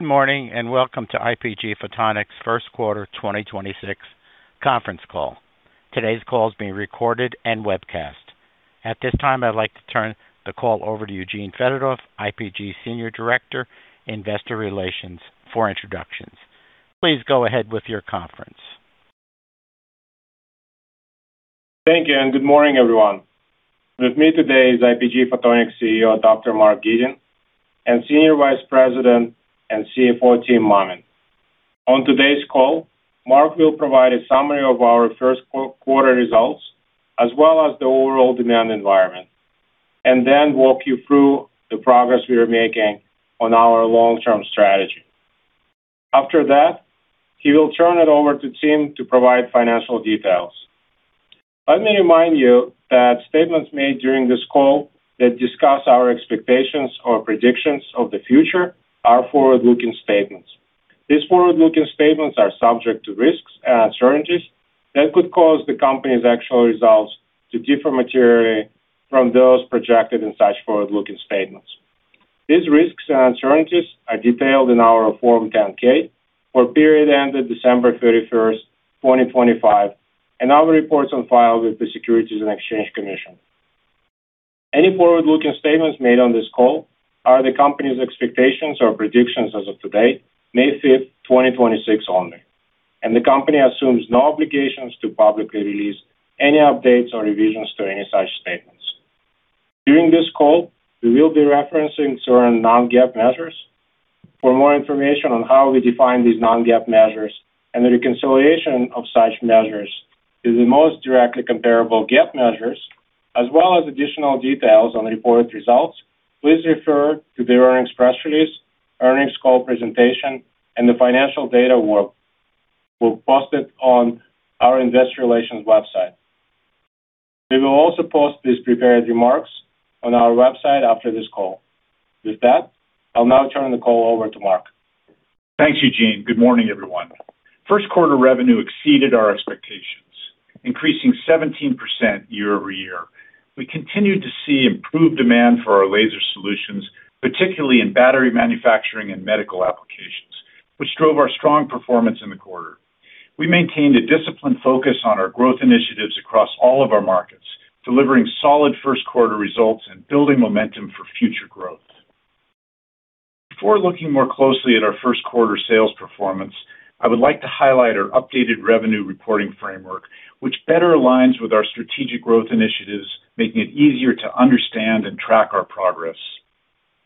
Good morning, and welcome to IPG Photonics first quarter 2026 conference call. Today's call is being recorded and webcast. At this time, I'd like to turn the call over to Eugene Fedotoff, IPG Senior Director, Investor Relations for introductions. Please go ahead with your conference. Thank you, good morning, everyone. With me today is IPG Photonics CEO, Dr. Mark Gitin, and Senior Vice President and CFO, Tim Mammen. On today's call, Mark will provide a summary of our first quarter results, as well as the overall demand environment, then walk you through the progress we are making on our long-term strategy. After that, he will turn it over to Tim to provide financial details. Let me remind you that statements made during this call that discuss our expectations or predictions of the future are forward-looking statements. These forward-looking statements are subject to risks and uncertainties that could cause the company's actual results to differ materially from those projected in such forward-looking statements. These risks and uncertainties are detailed in our Form 10-K for period ended December 31, 2025, our reports on file with the Securities and Exchange Commission. Any forward-looking statements made on this call are the company's expectations or predictions as of today, May 5, 2026 only, and the company assumes no obligations to publicly release any updates or revisions to any such statements. During this call, we will be referencing certain non-GAAP measures. For more information on how we define these non-GAAP measures and the reconciliation of such measures to the most directly comparable GAAP measures, as well as additional details on the reported results, please refer to their earnings press release, earnings call presentation, and the financial data we'll post it on our investor relations website. We will also post these prepared remarks on our website after this call. With that, I'll now turn the call over to Mark. Thanks, Eugene. Good morning, everyone. First quarter revenue exceeded our expectations, increasing 17% year-over-year. We continued to see improved demand for our laser solutions, particularly in battery manufacturing and medical applications, which drove our strong performance in the quarter. We maintained a disciplined focus on our growth initiatives across all of our markets, delivering solid first quarter results and building momentum for future growth. Before looking more closely at our first quarter sales performance, I would like to highlight our updated revenue reporting framework, which better aligns with our strategic growth initiatives, making it easier to understand and track our progress.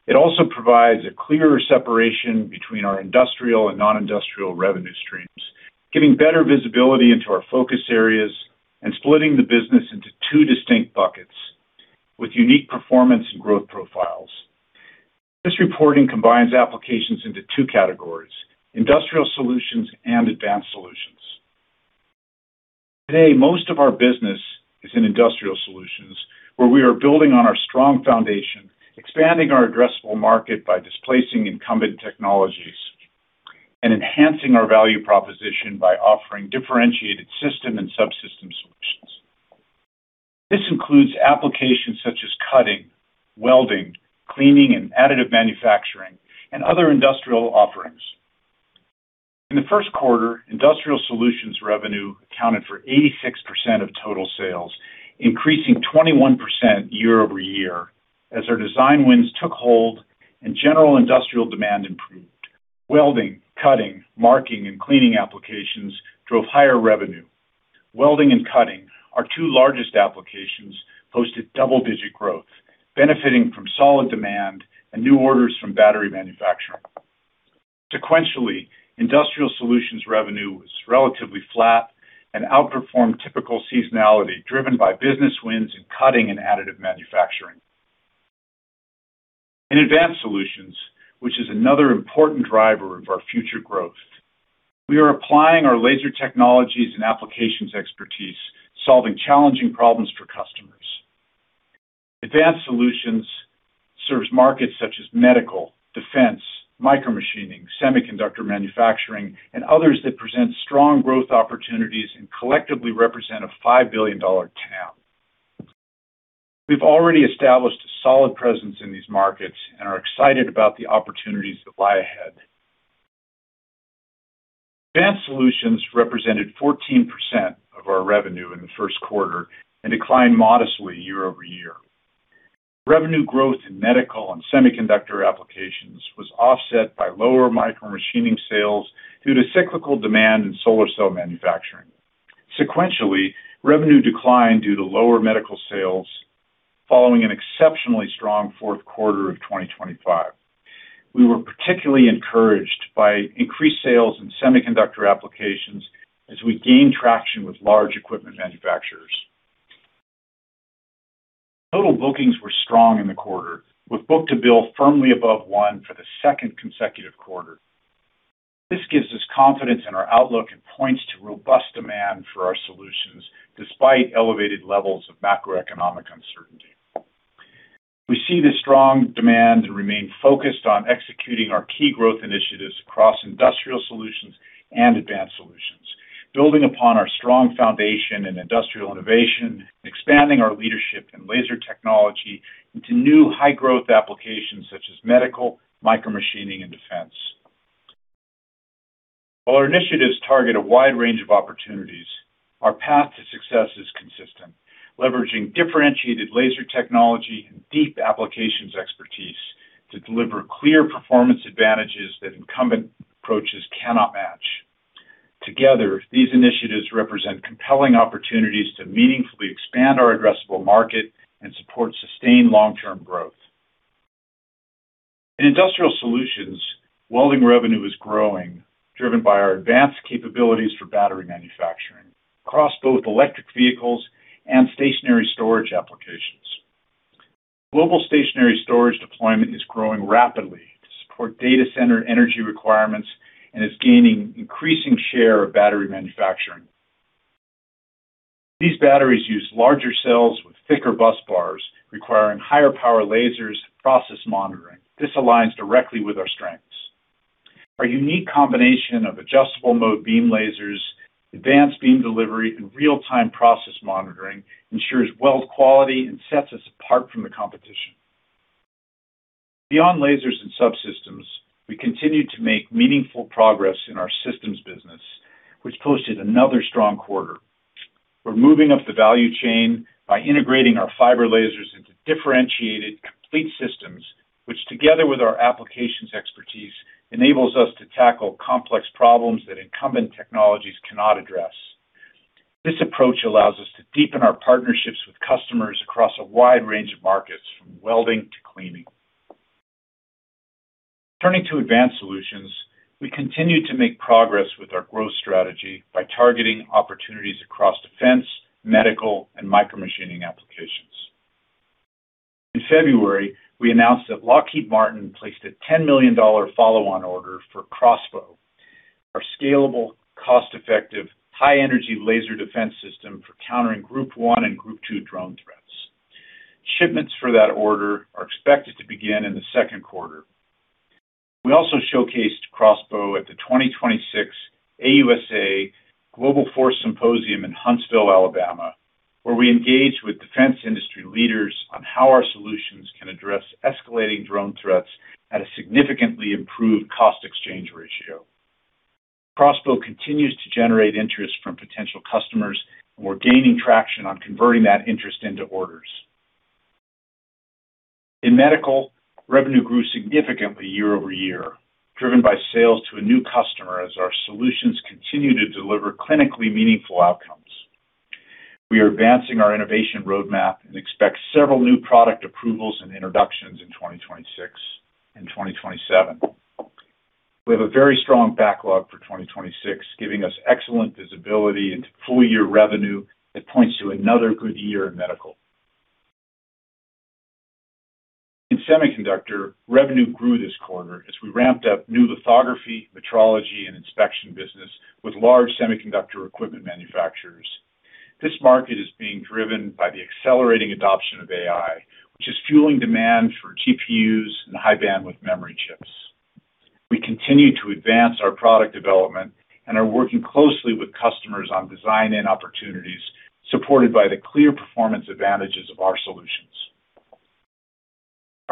It also provides a clearer separation between our industrial and non-industrial revenue streams, giving better visibility into our focus areas and splitting the business into two distinct buckets with unique performance and growth profiles. This reporting combines applications into two categories: industrial solutions and advanced solutions. Today, most of our business is in industrial solutions, where we are building on our strong foundation, expanding our addressable market by displacing incumbent technologies, and enhancing our value proposition by offering differentiated system and subsystem solutions. This includes applications such as cutting, welding, cleaning, and additive manufacturing, and other industrial offerings. In the first quarter, industrial solutions revenue accounted for 86% of total sales, increasing 21% year-over-year as our design wins took hold and general industrial demand improved. Welding, cutting, marking, and cleaning applications drove higher revenue. Welding and cutting, our two largest applications, posted double-digit growth, benefiting from solid demand and new orders from battery manufacturing. Sequentially, industrial solutions revenue was relatively flat and outperformed typical seasonality, driven by business wins in cutting and additive manufacturing. In advanced solutions, which is another important driver of our future growth, we are applying our laser technologies and applications expertise, solving challenging problems for customers. Advanced Solutions serves markets such as medical, defense, micromachining, semiconductor manufacturing, and others that present strong growth opportunities and collectively represent a $5 billion TAM. We've already established a solid presence in these markets and are excited about the opportunities that lie ahead. Advanced Solutions represented 14% of our revenue in the first quarter and declined modestly year-over-year. Revenue growth in medical and semiconductor applications was offset by lower micromachining sales due to cyclical demand in solar cell manufacturing. Sequentially, revenue declined due to lower medical sales following an exceptionally strong fourth quarter of 2025. We were particularly encouraged by increased sales in semiconductor applications as we gain traction with large equipment manufacturers. Total bookings were strong in the quarter, with book-to-bill firmly above one for the second consecutive quarter. This gives us confidence in our outlook and points to robust demand for our solutions despite elevated levels of macroeconomic uncertainty. We see the strong demand and remain focused on executing our key growth initiatives across industrial and advanced solutions. Building upon our strong foundation in industrial innovation, expanding our leadership in laser technology into new high-growth applications such as medical, micromachining, and defense. While our initiatives target a wide range of opportunities, our path to success is consistent, leveraging differentiated laser technology and deep applications expertise to deliver clear performance advantages that incumbent approaches cannot match. Together, these initiatives represent compelling opportunities to meaningfully expand our addressable market and support sustained long-term growth. In industrial solutions, welding revenue is growing, driven by our advanced capabilities for battery manufacturing across both electric vehicles and stationary storage applications. Global stationary storage deployment is growing rapidly to support data center energy requirements and is gaining increasing share of battery manufacturing. These batteries use larger cells with thicker busbars, requiring higher power lasers and process monitoring. This aligns directly with our strengths. Our unique combination of Adjustable Mode Beam lasers, advanced beam delivery, and real-time process monitoring ensures weld quality and sets us apart from the competition. Beyond lasers and subsystems, we continue to make meaningful progress in our systems business, which posted another strong quarter. We are moving up the value chain by integrating our fiber lasers into differentiated complete systems, which together with our applications expertise, enables us to tackle complex problems that incumbent technologies cannot address. This approach allows us to deepen our partnerships with customers across a wide range of markets, from welding to cleaning. Turning to advanced solutions, we continue to make progress with our growth strategy by targeting opportunities across defense, medical, and micromachining applications. In February, we announced that Lockheed Martin placed a $10 million follow-on order for CROSSBOW, our scalable, cost-effective, high-energy laser defense system for countering group one and group two drone threats. Shipments for that order are expected to begin in the second quarter. We also showcased CROSSBOW at the 2026 AUSA Global Force Symposium in Huntsville, Alabama, where we engaged with defense industry leaders on how our solutions can address escalating drone threats at a significantly improved cost-exchange ratio. CROSSBOW continues to generate interest from potential customers, and we're gaining traction on converting that interest into orders. In medical, revenue grew significantly year over year, driven by sales to a new customer as our solutions continue to deliver clinically meaningful outcomes. We are advancing our innovation roadmap and expect several new product approvals and introductions in 2026 and 2027. We have a very strong backlog for 2026, giving us excellent visibility into full-year revenue that points to another good year in medical. In semiconductor, revenue grew this quarter as we ramped up new lithography, metrology, and inspection business with large semiconductor equipment manufacturers. This market is being driven by the accelerating adoption of AI, which is fueling demand for GPUs and high-bandwidth memory chips. We continue to advance our product development and are working closely with customers on design and opportunities supported by the clear performance advantages of our solutions.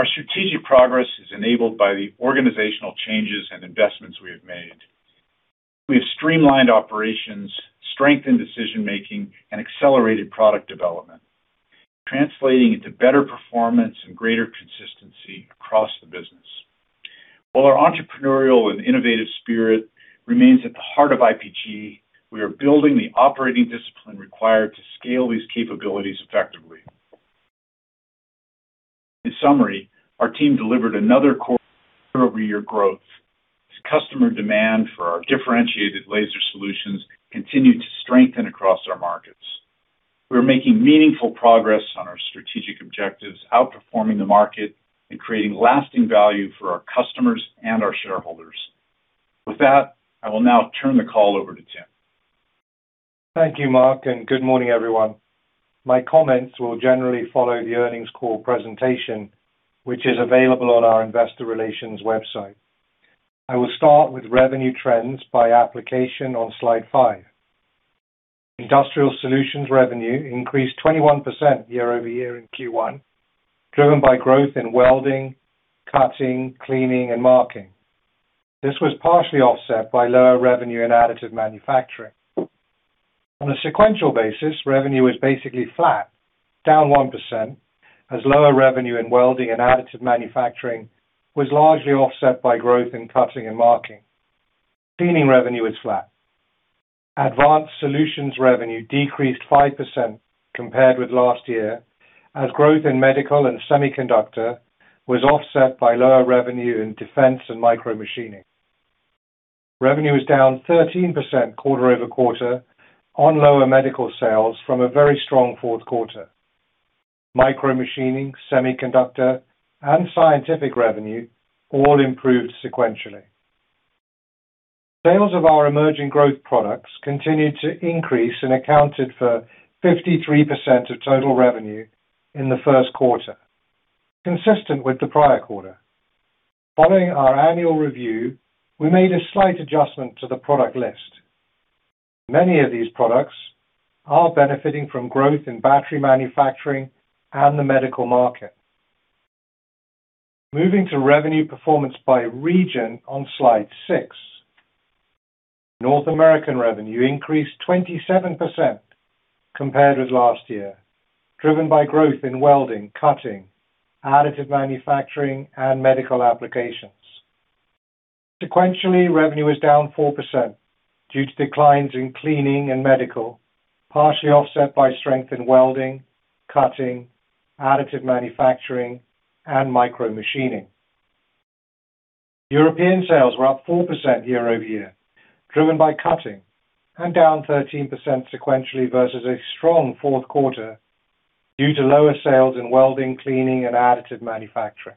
Our strategic progress is enabled by the organizational changes and investments we have made. We have streamlined operations, strengthened decision-making, and accelerated product development, translating into better performance and greater consistency across the business. While our entrepreneurial and innovative spirit remains at the heart of IPG, we are building the operating discipline required to scale these capabilities effectively. In summary, our team delivered another quarter-over-year growth as customer demand for our differentiated laser solutions continued to strengthen across our markets. We are making meaningful progress on our strategic objectives, outperforming the market and creating lasting value for our customers and our shareholders. With that, I will now turn the call over to Tim. Thank you, Mark, and good morning, everyone. My comments will generally follow the earnings call presentation, which is available on our investor relations website. I will start with revenue trends by application on slide five. Industrial solutions revenue increased 21% year-over-year in Q1, driven by growth in welding, cutting, cleaning, and marking. This was partially offset by lower revenue in additive manufacturing. On a sequential basis, revenue was basically flat, down 1%, as lower revenue in welding and additive manufacturing was largely offset by growth in cutting and marking. Cleaning revenue was flat. Advanced solutions revenue decreased 5% compared with last year, as growth in medical and semiconductor was offset by lower revenue in defense and micromachining. Revenue was down 13% quarter-over-quarter on lower medical sales from a very strong fourth quarter. Micromachining, semiconductor, and scientific revenue all improved sequentially. Sales of our emerging growth products continued to increase and accounted for 53% of total revenue in the first quarter. Consistent with the prior quarter. Following our annual review, we made a slight adjustment to the product list. Many of these products are benefiting from growth in battery manufacturing and the medical market. Moving to revenue performance by region on slide six. North American revenue increased 27% compared with last year, driven by growth in welding, cutting, additive manufacturing, and medical applications. Sequentially, revenue is down 4% due to declines in cleaning and medical, partially offset by strength in welding, cutting, additive manufacturing, and micromachining. European sales were up 4% year-over-year, driven by cutting, and down 13% sequentially versus a strong fourth quarter due to lower sales in welding, cleaning, and additive manufacturing.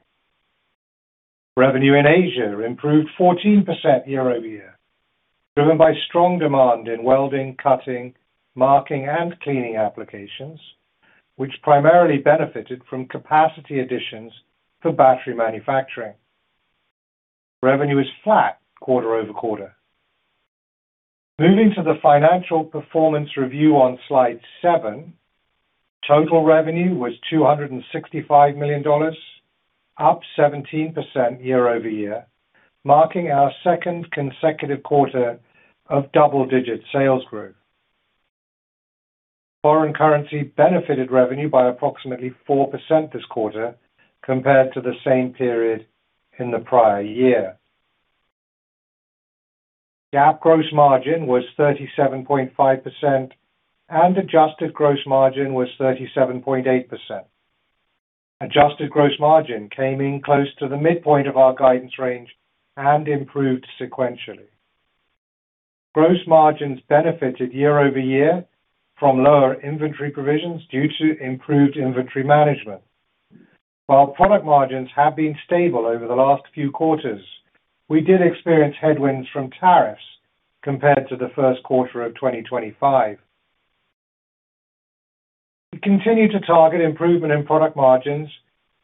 Revenue in Asia improved 14% year-over-year, driven by strong demand in welding, cutting, marking, and cleaning applications, which primarily benefited from capacity additions for battery manufacturing. Revenue is flat quarter-over-quarter. Moving to the financial performance review on slide seven. Total revenue was $265 million, up 17% year-over-year, marking our second consecutive quarter of double-digit sales growth. Foreign currency benefited revenue by approximately 4% this quarter compared to the same period in the prior year. GAAP gross margin was 37.5%, and adjusted gross margin was 37.8%. Adjusted gross margin came in close to the midpoint of our guidance range and improved sequentially. Gross margins benefited year-over-year from lower inventory provisions due to improved inventory management. While product margins have been stable over the last few quarters, we did experience headwinds from tariffs compared to the first quarter of 2025. We continue to target improvement in product margins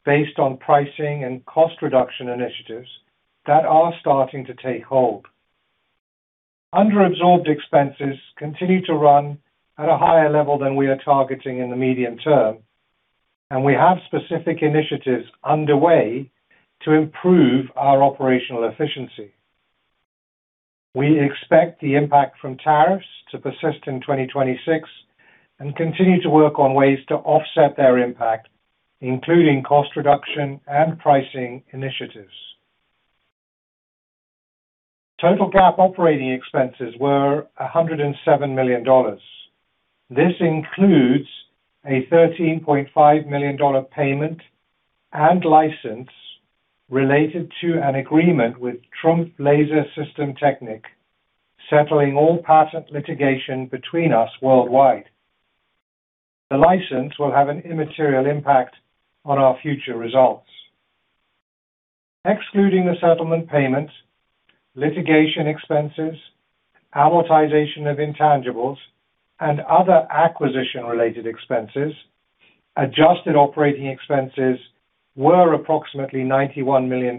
based on pricing and cost reduction initiatives that are starting to take hold. Underabsorbed expenses continue to run at a higher level than we are targeting in the medium term, and we have specific initiatives underway to improve our operational efficiency. We expect the impact from tariffs to persist in 2026 and continue to work on ways to offset their impact, including cost reduction and pricing initiatives. Total GAAP operating expenses were $107 million. This includes a $13.5 million payment and license related to an agreement with TRUMPF Laser- und Systemtechnik, settling all patent litigation between us worldwide. The license will have an immaterial impact on our future results. Excluding the settlement payment, litigation expenses, amortization of intangibles, and other acquisition related expenses, adjusted operating expenses were approximately $91 million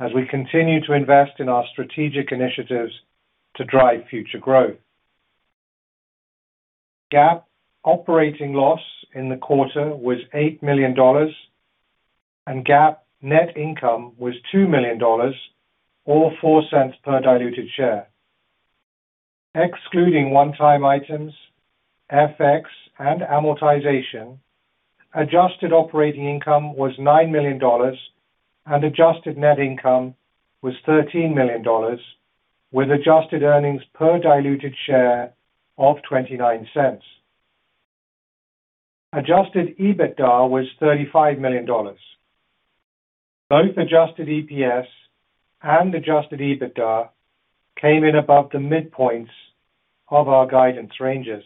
as we continue to invest in our strategic initiatives to drive future growth. GAAP operating loss in the quarter was $8 million, and GAAP net income was $2 million, or $0.04 per diluted share. Excluding one-time items, FX, and amortization, adjusted operating income was $9 million, and adjusted net income was $13 million, with adjusted earnings per diluted share of $0.29. Adjusted EBITDA was $35 million. Both adjusted EPS and adjusted EBITDA came in above the midpoints of our guidance ranges.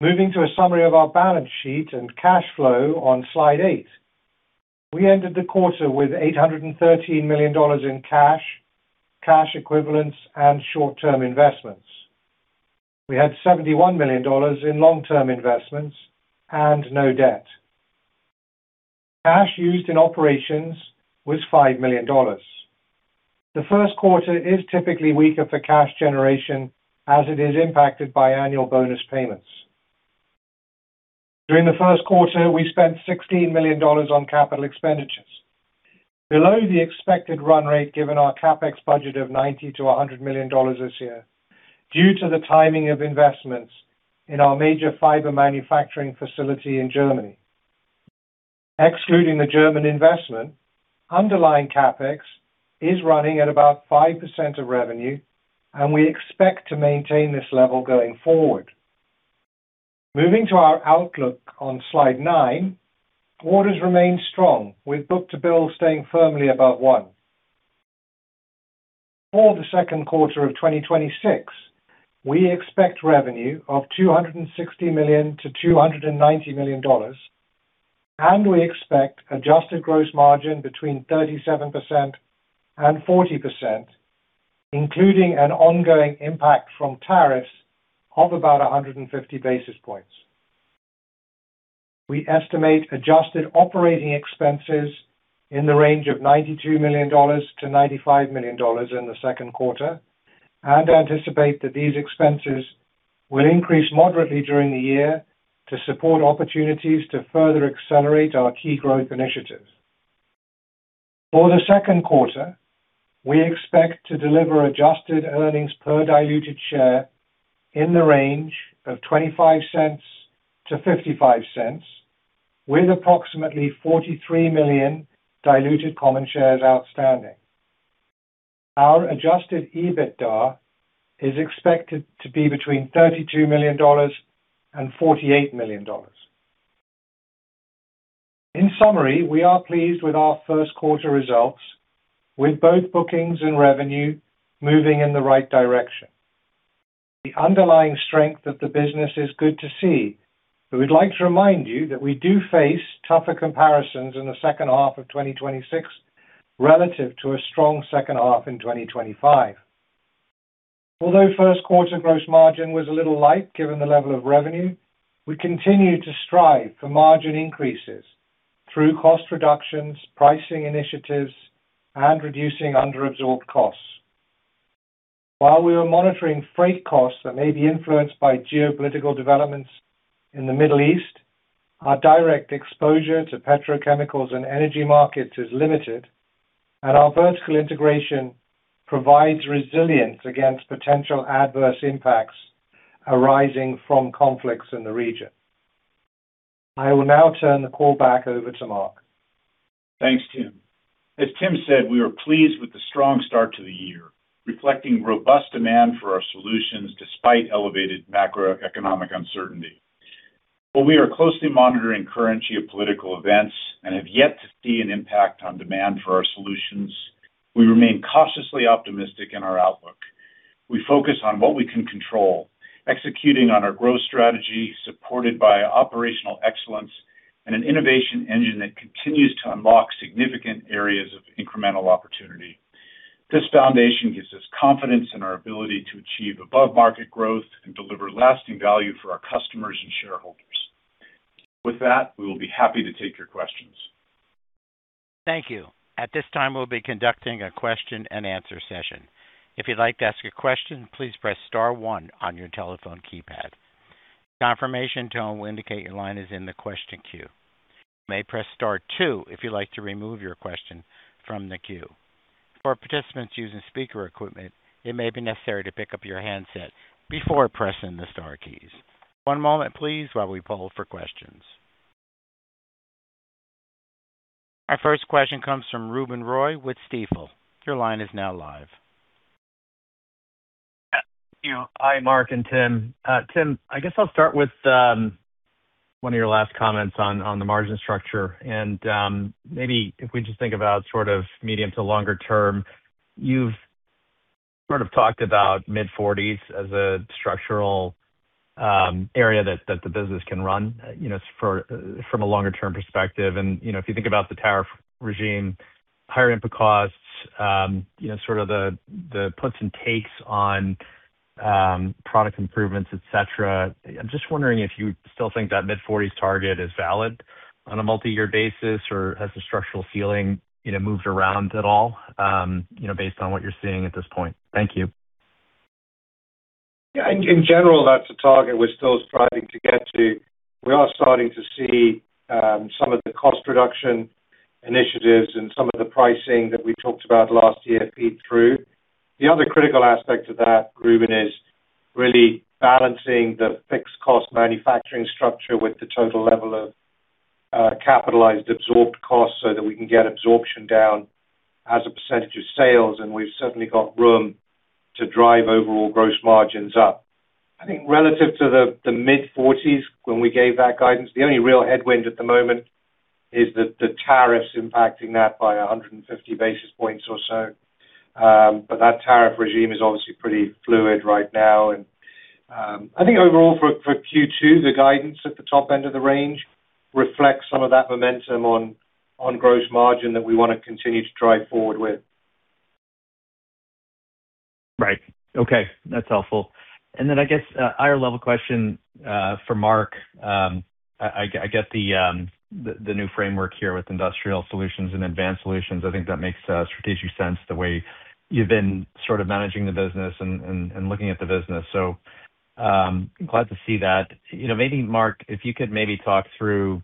Moving to a summary of our balance sheet and cash flow on slide eight. We ended the quarter with $813 million in cash equivalents, and short-term investments. We had $71 million in long-term investments and no debt. Cash used in operations was $5 million. The first quarter is typically weaker for cash generation as it is impacted by annual bonus payments. During the first quarter, we spent $16 million on capital expenditures, below the expected run rate given our CapEx budget of $90 million-$100 million this year due to the timing of investments in our major fiber manufacturing facility in Germany. Excluding the German investment, underlying CapEx is running at about 5% of revenue, and we expect to maintain this level going forward. Moving to our outlook on slide nine. Orders remain strong with book-to-bill staying firmly above on. For the second quarter of 2026, we expect revenue of $260 million-$290 million, and we expect adjusted gross margin between 37% and 40%. Including an ongoing impact from tariffs of about 150 basis points. We estimate adjusted operating expenses in the range of $92 million-$95 million in the second quarter and anticipate that these expenses will increase moderately during the year to support opportunities to further accelerate our key growth initiatives. For the second quarter, we expect to deliver adjusted earnings per diluted share in the range of $0.25-$0.55, with approximately 43 million diluted common shares outstanding. Our adjusted EBITDA is expected to be between $32 million and $48 million. In summary, we are pleased with our first quarter results, with both bookings and revenue moving in the right direction. The underlying strength of the business is good to see, but we'd like to remind you that we do face tougher comparisons in the second half of 2026 relative to a strong second half in 2025. Although first quarter gross margin was a little light given the level of revenue, we continue to strive for margin increases through cost reductions, pricing initiatives, and reducing underabsorbed costs. While we are monitoring freight costs that may be influenced by geopolitical developments in the Middle East, our direct exposure to petrochemicals and energy markets is limited, and our vertical integration provides resilience against potential adverse impacts arising from conflicts in the region. I will now turn the call back over to Mark. Thanks, Tim. As Tim said, we are pleased with the strong start to the year, reflecting robust demand for our solutions despite elevated macroeconomic uncertainty. While we are closely monitoring current geopolitical events and have yet to see an impact on demand for our solutions, we remain cautiously optimistic in our outlook. We focus on what we can control, executing on our growth strategy, supported by operational excellence and an innovation engine that continues to unlock significant areas of incremental opportunity. This foundation gives us confidence in our ability to achieve above-market growth and deliver lasting value for our customers and shareholders. With that, we will be happy to take your questions. Thank you. At this time, we'll be conducting a question-and-answer session. If you'd like to ask a question, please press star one on your telephone keypad. Confirmation tone will indicate your line is in the question queue. You may press star two if you'd like to remove your question from the queue. For participants using speaker equipment, it may be necessary to pick up your handset before pressing the star keys. One moment, please, while we poll for questions. Our first question comes from Ruben Roy with Stifel. Your line is now live. Yeah, thank you. Hi, Mark and Tim. Tim, I guess I'll start with one of your last comments on the margin structure. Maybe if we just think about sort of medium to longer term, you've sort of talked about mid-forties as a structural area that the business can run, you know, from a longer-term perspective. You know, if you think about the tariff regime, higher input costs, you know, sort of the puts and takes on product improvements, et cetera. I'm just wondering if you still think that mid-forties target is valid on a multi-year basis or has the structural ceiling, you know, moved around at all, you know, based on what you're seeing at this point? Thank you. Yeah, in general, that's a target we're still striving to get to. We are starting to see some of the cost reduction initiatives and some of the pricing that we talked about last year feed through. The other critical aspect of that, Ruben, is really balancing the fixed cost manufacturing structure with the total level of capitalized absorbed costs so that we can get absorption down as a percentage of sales. We've certainly got room to drive overall gross margins up. I think relative to the mid-40s when we gave that guidance, the only real headwind at the moment is the tariffs impacting that by 150 basis points or so. That tariff regime is obviously pretty fluid right now. I think overall for Q2, the guidance at the top end of the range reflects some of that momentum on gross margin that we wanna continue to drive forward with. Right. Okay. That's helpful. I guess, higher level question for Mark. I get the new framework here with Industrial Solutions and Advanced Solutions. I think that makes strategic sense the way you've been sort of managing the business and looking at the business. Glad to see that. You know, maybe Mark, if you could maybe talk through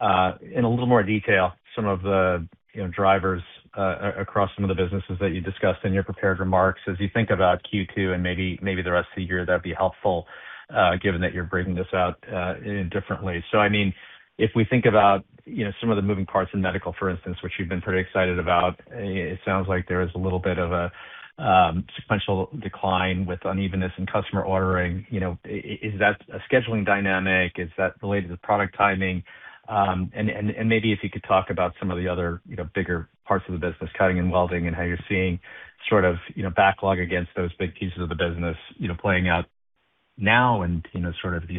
in a little more detail some of the, you know, drivers across some of the businesses that you discussed in your prepared remarks as you think about Q2 and maybe the rest of the year, that'd be helpful given that you're bringing this out in a different way. I mean, if we think about, you know, some of the moving parts in medical, for instance, which you've been pretty excited about, it sounds like there is a little bit of a sequential decline with unevenness in customer ordering. You know, is that a scheduling dynamic? Is that related to product timing? And maybe if you could talk about some of the other, you know, bigger parts of the business, cutting and welding, and how you're seeing sort of, you know, backlog against those big pieces of the business, you know, playing out now and, you know, sort of if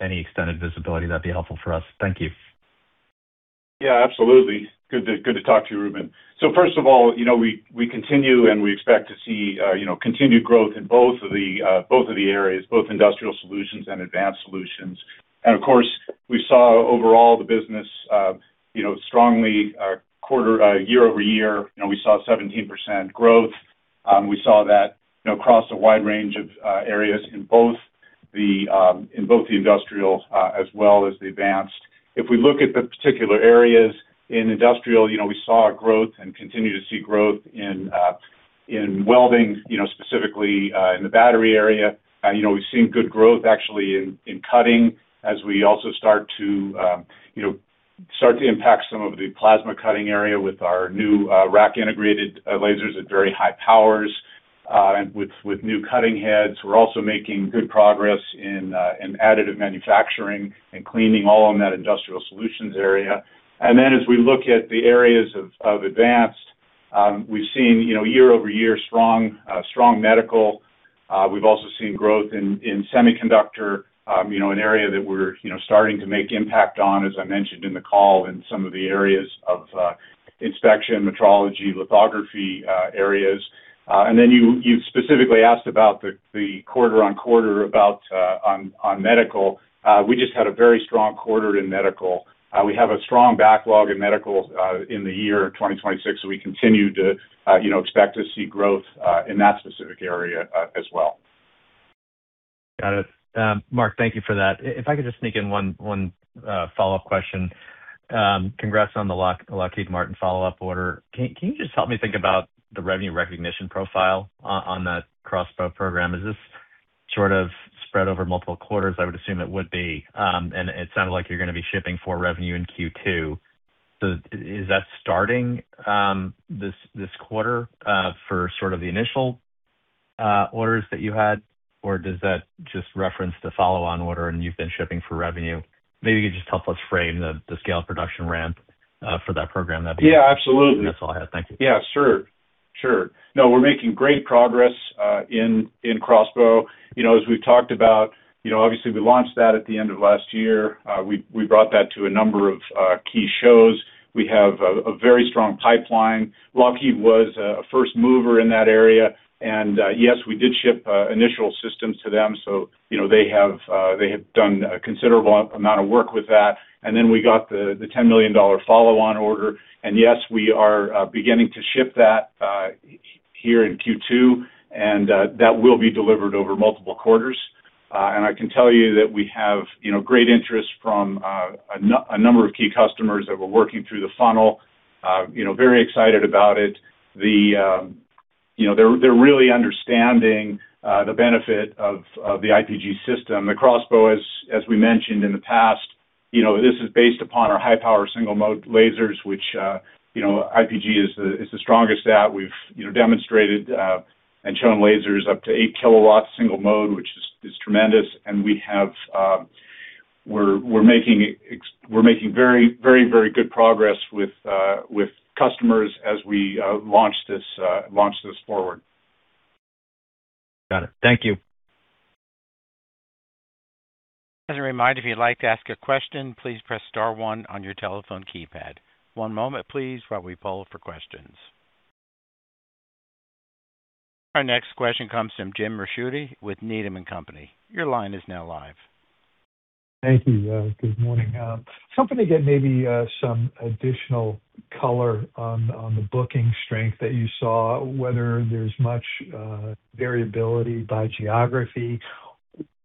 you have any extended visibility, that'd be helpful for us. Thank you. Yeah, absolutely. Good to talk to you, Ruben. First of all, you know, we continue and we expect to see, you know, continued growth in both of the areas, both industrial solutions and advanced solutions. Of course, we saw overall the business, you know, strongly quarter year-over-year, you know, we saw 17% growth. We saw that, you know, across a wide range of areas in both the industrial, as well as the advanced. If we look at the particular areas in industrial, you know, we saw growth and continue to see growth in welding, you know, specifically in the battery area. You know, we've seen good growth actually in cutting as we also start to, you know, start to impact some of the plasma cutting area with our new rack-integrated lasers at very high powers and with new cutting heads. We're also making good progress in additive manufacturing and cleaning, all in that industrial solutions area. As we look at the areas of advanced, we've seen, you know, year-over-year strong medical. We've also seen growth in semiconductor, you know, an area that we're, you know, starting to make impact on, as I mentioned in the call, in some of the areas of inspection, metrology, lithography areas. You specifically asked about the quarter-on-quarter about medical. We just had a very strong quarter in medical. We have a strong backlog in medical in the year 2026, so we continue to, you know, expect to see growth in that specific area as well. Got it. Mark, thank you for that. If I could just sneak in one follow-up question. Congrats on the Lockheed Martin follow-up order. Can you just help me think about the revenue recognition profile on that CROSSBOW program? Is this sort of spread over multiple quarters? I would assume it would be. It sounded like you're gonna be shipping for revenue in Q2. Is that starting this quarter for sort of the initial orders that you had, or does that just reference the follow-on order and you've been shipping for revenue? Maybe you could just help us frame the scale of production ramp for that program. Yeah, absolutely. That's all I had. Thank you. Yeah, sure. Sure. We're making great progress in CROSSBOW. You know, as we've talked about, you know, obviously we launched that at the end of last year. We brought that to a number of key shows. We have a very strong pipeline. Lockheed was a first mover in that area. Yes, we did ship initial systems to them. You know, they have done a considerable amount of work with that. We got the $10 million follow on order. Yes, we are beginning to ship that here in Q2. That will be delivered over multiple quarters. I can tell you that we have, you know, great interest from a number of key customers that we're working through the funnel. You know, very excited about it. You know, they're really understanding the benefit of the IPG system. The CROSSBOW, as we mentioned in the past, you know, this is based upon our high power single-mode lasers, which, you know, IPG is the strongest at. We've, you know, demonstrated and shown lasers up to 8 kW single-mode, which is tremendous. We have, we're making very good progress with customers as we launch this forward. Got it. Thank you. As a reminder, if you'd like to ask a question, please press star one on your telephone keypad. One moment, please, while we poll for questions. Our next question comes from Jim Ricchiuti with Needham & Company. Your line is now live. Thank you. Good morning. Hoping to get maybe some additional color on the booking strength that you saw, whether there's much variability by geography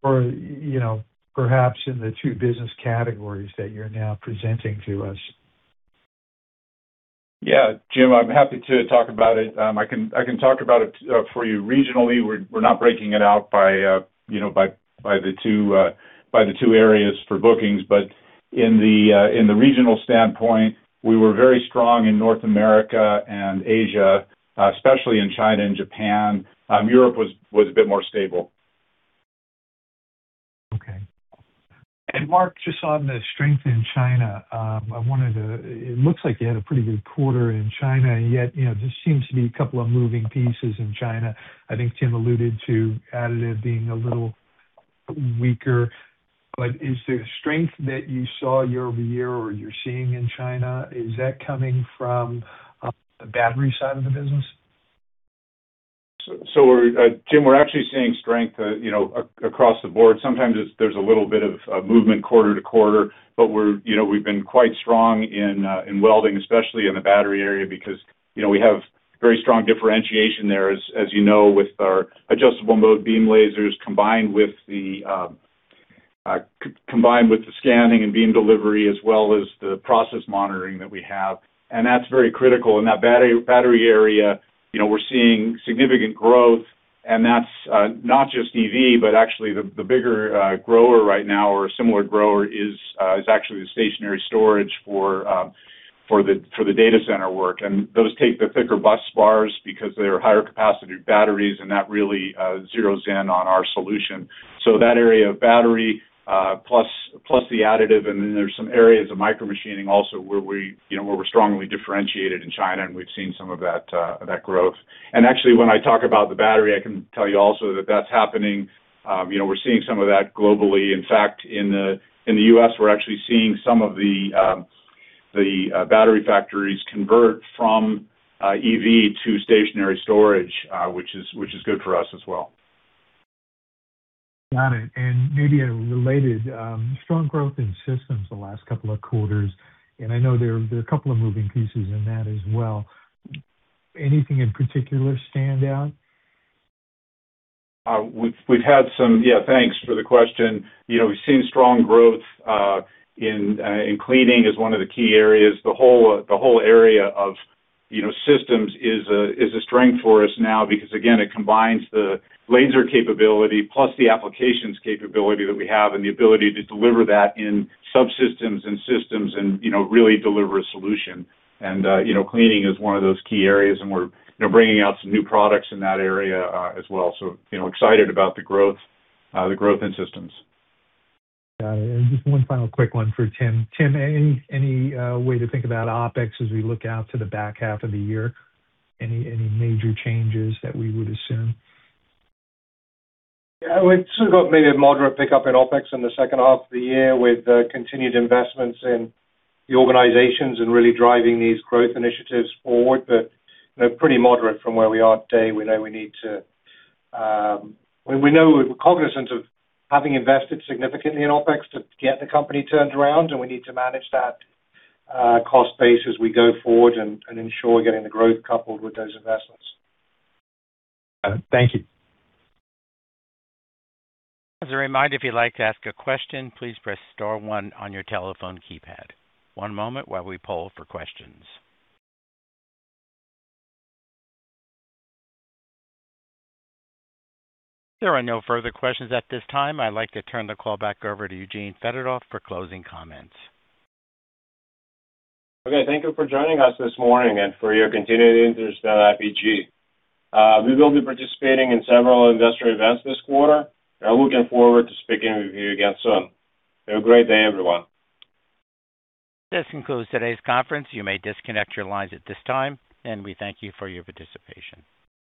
or, you know, perhaps in the two business categories that you're now presenting to us? Yeah. Jim, I'm happy to talk about it. I can talk about it for you regionally. We're not breaking it out by, you know, by the two areas for bookings. In the regional standpoint, we were very strong in North America and Asia, especially in China and Japan. Europe was a bit more stable. Okay. Mark, just on the strength in China, it looks like you had a pretty good quarter in China, and yet, you know, there seems to be a couple of moving pieces in China. I think Tim alluded to additive being a little weaker. Is the strength that you saw year-over-year or you're seeing in China, is that coming from the battery side of the business? Jim, we're actually seeing strength, you know, across the board. Sometimes there's a little bit of movement quarter to quarter, but we're, you know, we've been quite strong in welding, especially in the battery area because, you know, we have very strong differentiation there as you know, with our Adjustable Mode Beam lasers combined with the combined with the scanning and beam delivery, as well as the process monitoring that we have. That's very critical. In that battery area, you know, we're seeing significant growth, and that's not just EV, but actually the bigger grower right now or similar grower is actually the stationary storage for the data center work. Those take the thicker busbars because they're higher capacity batteries, and that really zeros in on our solution. That area of battery, plus the additive, and then there's some areas of micromachining also where we, you know, where we're strongly differentiated in China, and we've seen some of that growth. Actually, when I talk about the battery, I can tell you also that that's happening. You know, we're seeing some of that globally. In fact, in the U.S., we're actually seeing some of the battery factories convert from EV to stationary storage, which is good for us as well. Got it. Maybe a related, strong growth in systems the last two quarters, and I know there are a couple of moving pieces in that as well. Anything in particular stand out? We've had some. Yeah, thanks for the question. You know, we've seen strong growth in cleaning is one of the key areas. The whole area of, you know, systems is a strength for us now because, again, it combines the laser capability plus the applications capability that we have and the ability to deliver that in subsystems and systems and, you know, really deliver a solution. You know, cleaning is one of those key areas, and we're, you know, bringing out some new products in that area as well. We are, you know, excited about the growth, the growth in systems. Got it. Just one final quick one for Tim. Tim, any way to think about OpEx as we look out to the back half of the year? Any major changes that we would assume? Yeah. We've sort of got maybe a moderate pickup in OpEx in the second half of the year with continued investments in the organizations and really driving these growth initiatives forward. You know, pretty moderate from where we are today. We know we're cognizant of having invested significantly in OpEx to get the company turned around, and we need to manage that cost base as we go forward and ensure getting the growth coupled with those investments. Got it. Thank you. As a reminder, if you'd like to ask a question, please press star one on your telephone keypad. One moment while we poll for questions. There are no further questions at this time. I'd like to turn the call back over to Eugene Fedotoff for closing comments. Okay. Thank you for joining us this morning and for your continued interest at IPG. We will be participating in several investor events this quarter and are looking forward to speaking with you again soon. Have a great day, everyone. This concludes today's conference. You may disconnect your lines at this time, and we thank you for your participation.